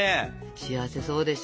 幸せそうでしょ？